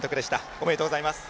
おめでとうございます。